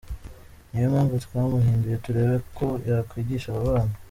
Niyo mpamvu twamuhinduye turebe ko yakwigisha aba bana.